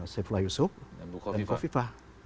seifullah yusuf dan bukho viva